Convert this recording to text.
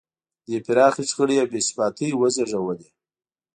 دې پراخې شخړې او بې ثباتۍ وزېږولې.